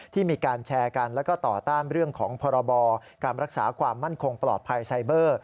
มีการแชร์กันแล้วก็ต่อต้านเรื่องของพรบการรักษาความมั่นคงปลอดภัยไซเบอร์